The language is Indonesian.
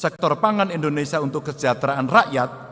sektor pangan indonesia untuk kesejahteraan rakyat